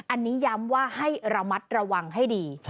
อันนี้ย้ำว่าให้ระมัดระวังให้ดี